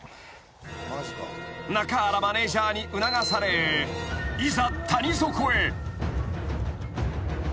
［中原マネジャーに促されいざ谷底へ］